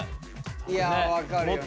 いや分かるよね。